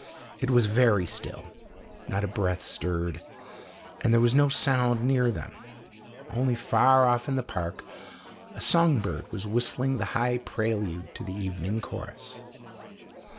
It was very still, not a breath stirred, and there was no sound near them. Only far off in the park a song bird was whistling the high prelude to the evening chorus.